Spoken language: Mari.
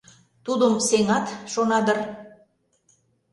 Тудым сеҥат, шона дыр.